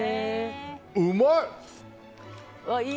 うまい！